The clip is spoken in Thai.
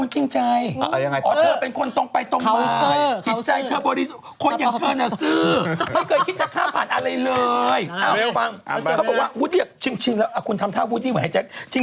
จริงแล้วคุณทำท่าพูดดีกว่าให้ใจ